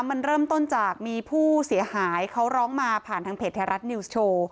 มันเริ่มต้นจากมีผู้เสียหายเขาร้องมาผ่านทางเพจไทยรัฐนิวส์โชว์